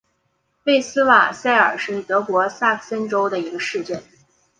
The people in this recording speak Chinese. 魏斯瓦塞尔是德国萨克森州的一个市镇。